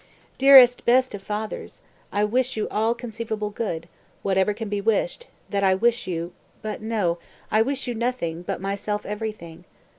188. "Dearest, best of fathers! I wish you all conceivable good; whatever can be wished, that I wish you, but no, I wish you nothing, but myself everything.